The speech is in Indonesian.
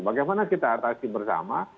bagaimana kita atasi bersama